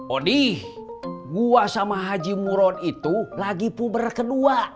odih gue sama haji muron itu lagi puber kedua